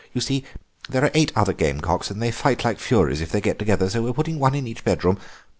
You see, there are eight other gamecocks, and they fight like furies if they get together, so we're putting one in each bedroom.